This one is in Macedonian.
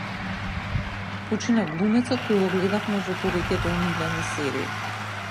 Почина глумецот кој го гледавме во повеќето омилени серии